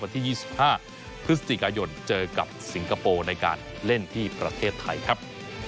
วันที่๒๕พฤศจิกายนเจอกับสิงคโปร์ในการเล่นที่ประเทศไทยครับ